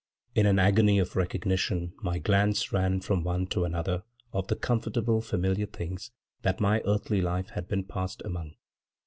In an agony of recognition my glance ran from one to another of the comfortable, familiar things that my earthly life had been passed among.